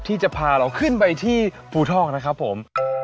ที่จะพาเราขึ้นไปที่ภูทอกนะครับผม